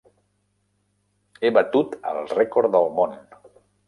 He batut el rècord del món!